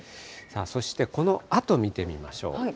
そしてこのあと見てみましょう。